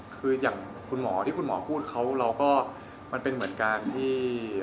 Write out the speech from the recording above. คืออย่างคุณหมอที่คุณหมอพูดเขาเราก็มันเป็นเหมือนการที่